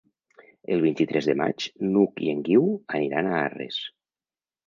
El vint-i-tres de maig n'Hug i en Guiu aniran a Arres.